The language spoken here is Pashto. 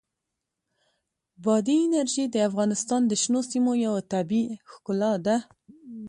بادي انرژي د افغانستان د شنو سیمو یوه طبیعي ښکلا ده.